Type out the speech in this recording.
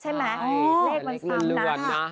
ใช่ไหมเลขมันซ้ำนะ